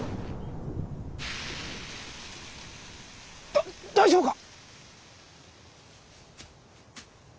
だ大丈夫か？